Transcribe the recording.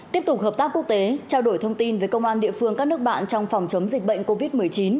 tiếp tục hợp tác quốc tế trao đổi thông tin với công an địa phương các nước bạn trong phòng chống dịch bệnh covid một mươi chín